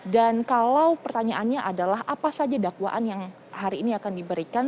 dan kalau pertanyaannya adalah apa saja dakwaan yang hari ini akan diberikan